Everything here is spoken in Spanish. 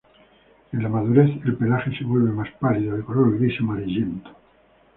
En la madurez, el pelaje se vuelve más pálido, de color gris amarillento.